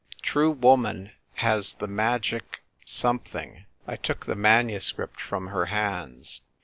"'True woman has the magic' some tJiing " I took the manuscript from her hands.